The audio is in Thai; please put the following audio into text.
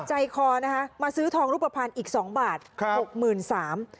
ใจคอนะคะมาซื้อทองรูปภัณฑ์อีกสองบาทครับหกหมื่นสาม